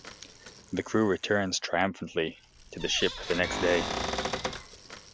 The crew returns triumphantly to the ship the next day.